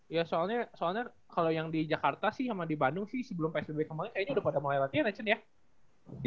iya soalnya kalo yang di jakarta sih sama di bandung sih sebelum psw kemarin kayaknya udah berhasil ya